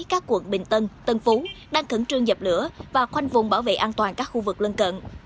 các quận bình tân tân phú đang khẩn trương dập lửa và khoanh vùng bảo vệ an toàn các khu vực lân cận